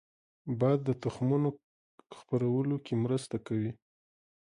باد د تخمونو خپرولو کې مرسته کوي